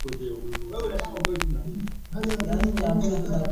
Kwamba kama dunia ilikuwa inaisha